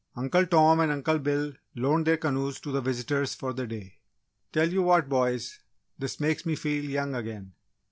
Uncle Tom and Uncle Bill loaned their canoes to the visitors for the day. "Tell you what, boys, this makes me feel young again!"